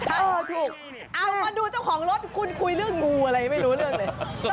เอาถูกเอามาดูเจ้าของรถคุณคุยเรื่องงูอะไรไม่รู้เรื่องเลย